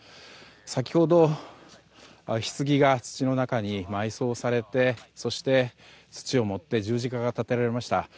先ほど、ひつぎが土の中に埋葬されて土をもって十字架が立てられました。